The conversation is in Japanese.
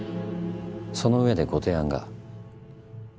その上でご提案が。